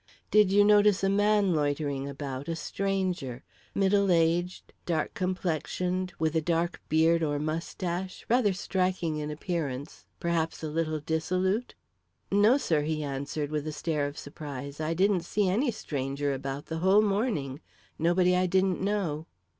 "Did you notice a man loitering about a stranger middle aged, dark complexioned, with a dark beard or moustache rather striking in appearance perhaps a little dissolute?" "No, sir," he answered, with a stare of surprise. "I didn't see any stranger about the whole morning nobody I didn't know."